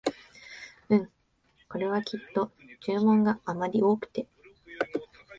うん、これはきっと注文があまり多くて